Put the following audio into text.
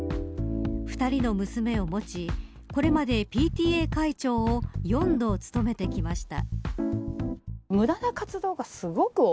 ２人の娘を持ちこれまでＰＴＡ会長を４度務めてきました。